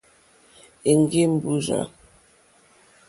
Èŋɡé mbúrzà.